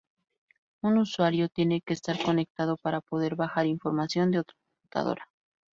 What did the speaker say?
Un usuario tiene que estar conectado para poder bajar información de otra computadora.